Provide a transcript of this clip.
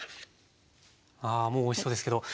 あもうおいしそうですけど。